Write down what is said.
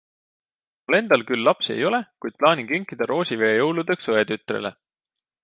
Mul endal küll lapsi ei ole, kuid plaanin kinkida roosivee jõuludeks õetütrele.